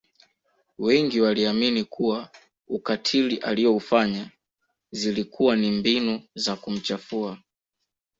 wengi waliamini kuwa ukatili aliyoufanya zilikuwa ni mbinu za kumchafua